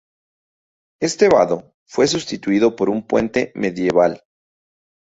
Este vado fue sustituido por un puente medieval.